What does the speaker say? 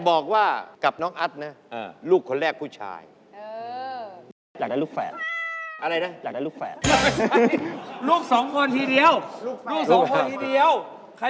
อโอเคมองดูมือขวา